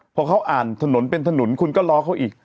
พอเขาอ่านถนนเป็นถนนคุณก็ล้อเขาอีก